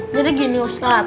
jadi gini ustadz